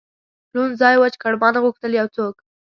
لوند ځای وچ کړ، ما نه غوښتل یو څوک.